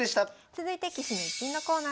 続いて「棋士の逸品」のコーナーです。